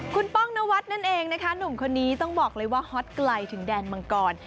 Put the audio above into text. คุณป้องนวัดนั่นเองนะคะหนุ่มคนนี้ต้องบอกเลยว่าฮอตไกลถึงแดนมังกร